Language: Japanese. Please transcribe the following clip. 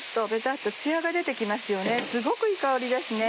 すごくいい香りですね。